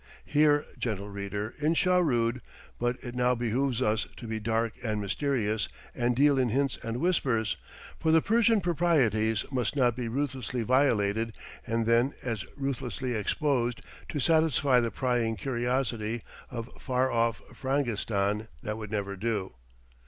Here, gentle reader, in Shahrood but it now behooves us to be dark and mysterious, and deal in hints and whispers, for the Persian proprieties must not be ruthlessly violated and then as ruthlessly exposed to satisfy the prying curiosity of far off Frangistan that would never do.